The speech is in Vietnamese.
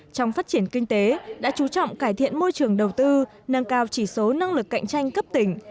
trong phát triển kinh tế đã chú trọng cải thiện môi trường đầu tư nâng cao chỉ số năng lực cạnh tranh cấp tỉnh